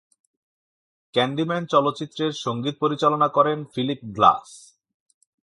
"Candyman" চলচ্চিত্রের সঙ্গীত পরিচালনা করেন ফিলিপ গ্লাস।